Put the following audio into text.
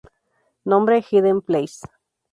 Nombre: "Hidden Place".